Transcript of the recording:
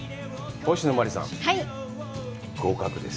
星野真里さん、合格です。